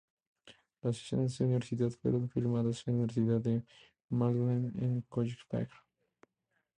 Las escenas de universidad fueron filmadas en la Universidad de Maryland en College Park.